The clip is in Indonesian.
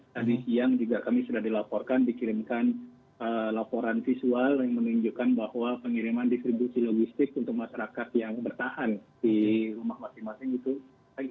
tadi siang juga kami sudah dilaporkan dikirimkan laporan visual yang menunjukkan bahwa pengiriman distribusi logistik untuk masyarakat yang bertahan di rumah masing masing itu